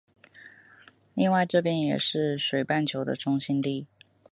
另外这边也是水半球的中心地。